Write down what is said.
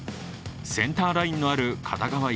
センターラインのある片側